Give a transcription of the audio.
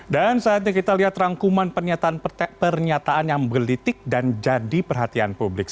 dan saatnya kita lihat rangkuman pernyataan yang berlitik dan jadi perhatian publik